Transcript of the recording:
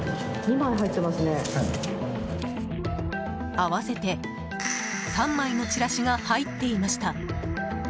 合わせて３枚のチラシが入っていました。